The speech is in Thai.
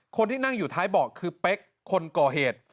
คนที่นั่งอยู่ท้ายเบาะคือเป๊กคนก่อเหตุ